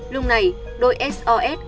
lúc này đôi sos